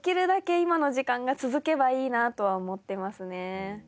今の時間が続けばいいなとは思ってますね。